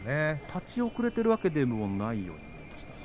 立ち遅れているわけではないですか。